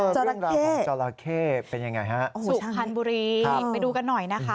จอราเค้จอราเค้เป็นยังไงฮะโหสุขพันธ์บุรีครับไปดูกันหน่อยนะคะ